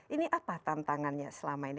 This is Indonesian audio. ini apa tantangannya selama ini